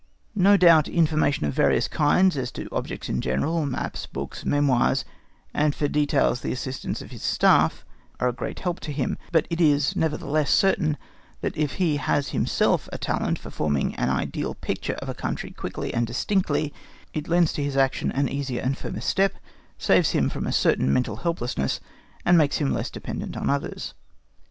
No doubt, information of various kinds as to objects in general, maps, books, memoirs, and for details the assistance of his Staff, are a great help to him; but it is nevertheless certain that if he has himself a talent for forming an ideal picture of a country quickly and distinctly, it lends to his action an easier and firmer step, saves him from a certain mental helplessness, and makes him less dependent on others.